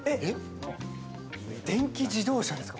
電気自動車ですか？